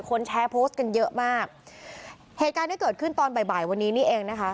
แชร์โพสต์กันเยอะมากเหตุการณ์ที่เกิดขึ้นตอนบ่ายบ่ายวันนี้นี่เองนะคะ